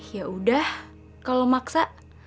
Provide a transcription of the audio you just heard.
ya udah kalau maksa